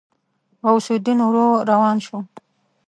غوث الدين ورو روان شو.